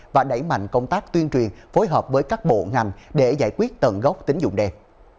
và đẩy mạnh công tác tuyên truyền phối hợp với các bộ ngành để giải quyết tận gốc tính dụng đen